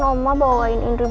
poinnya "oma lari doang